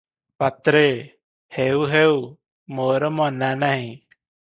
ପାତ୍ରେ- ହେଉ ହେଉ, ମୋର ମନା ନାହିଁ ।